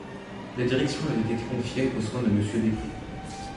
La direction avait été confiée aux soins de Monsieur Després.